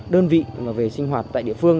đơn vị về sinh hoạt tại địa phương